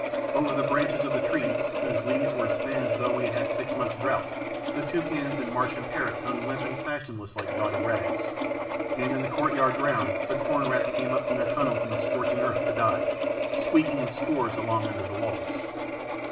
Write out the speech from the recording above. Over the branches of the trees, whose leaves were as thin as though we had had a six months' drought, the toucans and Martian parrots hung limp and fashionless like gaudy rags, and in the courtyard ground the corn rats came up from their tunnels in the scorching earth to die, squeaking in scores along under the walls.